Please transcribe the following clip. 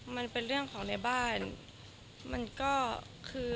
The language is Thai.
มันเป็นเรื่องของในบ้านมันก็คือ